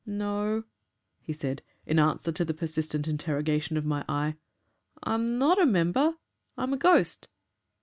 'No,' he said, in answer to the persistent interrogation of my eye; 'I'm not a member I'm a ghost.'